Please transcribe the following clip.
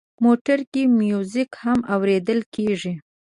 موټر کې میوزیک هم اورېدل کېږي.